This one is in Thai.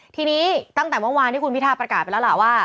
ทีนี้ตั้งแต่เมื่อวานที่คุณพิทาประกาศไปแล้วล่ะว่า